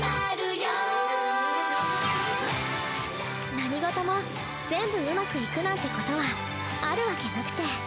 何ごとも全部うまくいくなんてことはあるわけなくて。